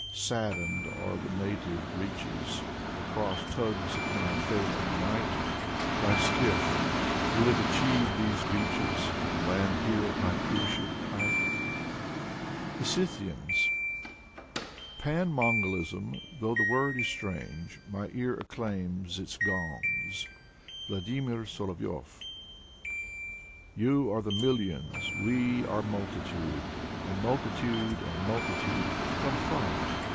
Saddened are the native reaches. The cross tugs at my failing might. Thy skiff — ^will it achieve these beaches. And land here at my cruciate height? 134 Alexander Blok THE SCYTHIANS " Pan Mongolism — though the word is strange, My ear acclaims its gongs." — Vladimir Solovyov. You are the millions, we are multitude And multitude and multitude. Come, fight!